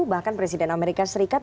bahkan presiden amerika serikat